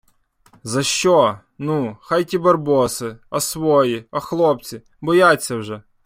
За що? Ну, хай ті барбоси, а свої, а хлопці? Бояться вже.